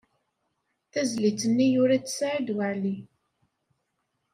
Tizlit-nni yura-tt Saɛid Waɛli.